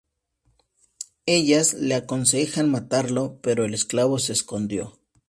Ellas le aconsejan matarlo, pero el esclavo se escondió.